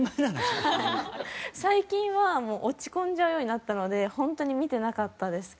最近はもう落ち込んじゃうようになったので本当に見てなかったですね。